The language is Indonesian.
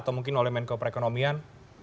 atau mungkin oleh menko perekonomian